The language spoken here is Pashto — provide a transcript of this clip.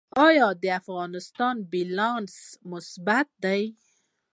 آیا د افغانستان بیلانس مثبت دی؟